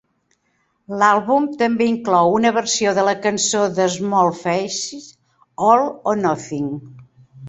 L'àlbum també inclou una versió de la cançó de Small Faces "All or Nothing".